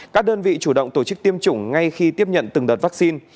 các đơn vị chủ động tổ chức tiêm chủng ngay khi tiếp nhận từng đợt vaccine